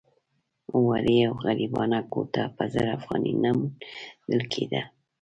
ورې او غریبانه کوټه په زر افغانۍ نه موندل کېده.